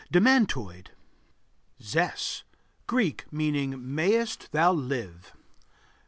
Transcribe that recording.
Demantoid. ZES Greek, meaning "Mayest thou live."